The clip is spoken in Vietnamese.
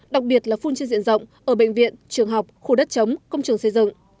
đặc biệt là phun trên diện rộng ở bệnh viện trường học khu đất chống công trường xây dựng